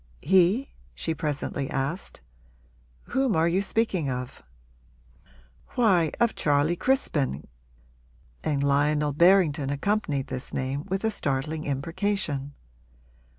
'He?' she presently asked. 'Whom are you speaking of?' 'Why, of Charley Crispin, G ' And Lionel Berrington accompanied this name with a startling imprecation.